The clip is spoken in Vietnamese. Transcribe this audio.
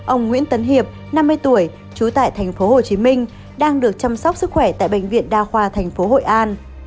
ông nguyễn tấn hiệp năm mươi tuổi trú tại tp hcm đang được chăm sóc sức khỏe tại bệnh viện đa khoa tp hội an